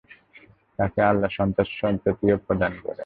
তাঁকে আল্লাহ সন্তান-সন্ততিও প্রদান করেন।